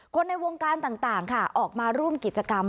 ในวงการต่างค่ะออกมาร่วมกิจกรรม